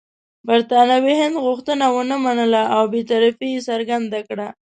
برټانوي هند غوښتنه ونه منله او بې طرفي یې څرګنده کړه.